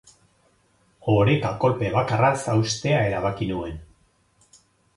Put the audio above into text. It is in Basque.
Oreka kolpe bakarraz haustea erabaki nuen.